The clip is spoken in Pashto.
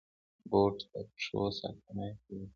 بوټ د پښو ساتنه کوي.